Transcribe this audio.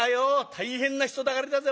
大変な人だかりだぜ。